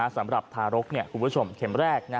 สำหรับทารกคุณผู้ชมเข็มแรก